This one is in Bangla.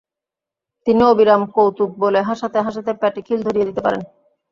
তিনি অবিরাম কৌতুক বলে হাসাতে হাসাতে পেটে খিল ধরিয়ে দিতে পারেন।